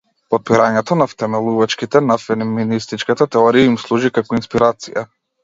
Потпирањето на втемелувачките на феминистичката теорија им служи како инспирација.